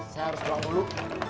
saya harus pulang dulu